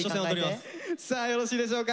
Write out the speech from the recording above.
さあよろしいでしょうか。